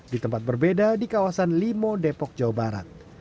di tempat berbeda di kawasan limo depok jawa barat